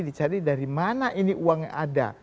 dicari dari mana ini uangnya ada